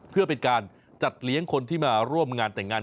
เพื่อเป็นการจัดเลี้ยงคนที่มาร่วมงานแต่งงาน